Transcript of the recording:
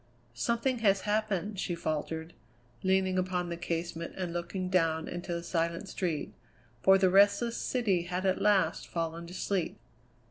"Something has happened," she faltered, leaning upon the casement and looking down into the silent street, for the restless city had at last fallen to sleep.